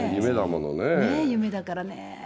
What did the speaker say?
夢だからねぇ。